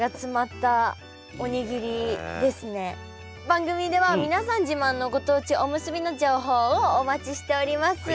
番組では皆さん自慢のご当地おむすびの情報をお待ちしております。